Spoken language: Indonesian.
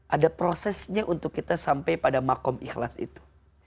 ada prosesnya untuk kita sampai pada makom ikhlas itu